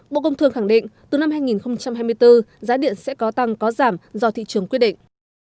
bộ công thương khẳng định từ năm hai nghìn hai mươi bốn giá điện sẽ có tăng có giảm do thị trường quyết định